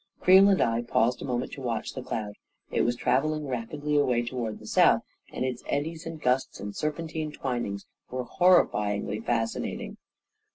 Creel and I paused a moment to watch the cloud. It was travelling rapidly away toward the south, and its eddies and gusts and serpentine twinings were horrifyingly fascinating.